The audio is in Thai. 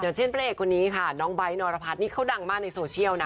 อย่างเช่นเป็นเอกคนนี้ค่ะน้องไบร์ทนอรพัทนี่เขาดังมากในโซเชียลน่ะ